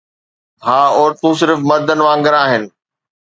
ها، عورتون صرف مردن وانگر آهن